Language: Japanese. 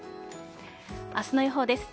明日の予報です。